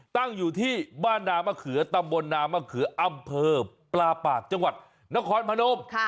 ตั้งอยู่ที่บ้านนามะเขือตำบลนามะเขืออำเภอปลาปากจังหวัดนครพนม